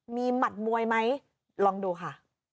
มีหมัดมวยไหมลองดูค่ะ